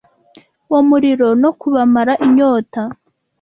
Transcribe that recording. uwo muriro no kubamara inyota